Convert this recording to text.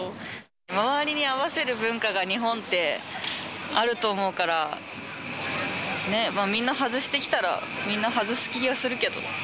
周りに合わせる文化が日本ってあると思うから、ね、みんな外してきたら、みんな外す気がするけど。